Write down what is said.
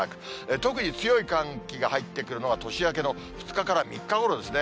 特に強い寒気が入ってくるのは、年明けの２日から３日ごろですね。